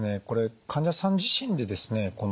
これ患者さん自身でですね